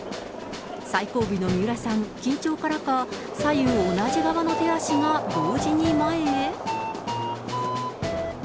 最後尾の三浦さん、緊張からか、左右同じ側の手足が同時に前へ。